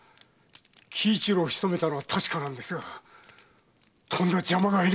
喜一郎をしとめたのは確かですがとんだ邪魔が入りまして。